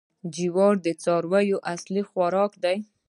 جوار د څارویو اصلي خوراک دی.